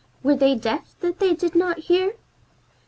Were they deaf that they did not hear?